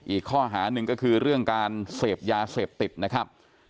อีกข้อหาหนึ่งก็คือเรื่องการเสพยาเสพติดนะครับ